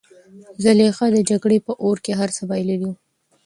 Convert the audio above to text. زلیخا د جګړې په اور کې هر څه بایللي وو.